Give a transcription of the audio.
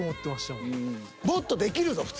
もっとできるぞ普通。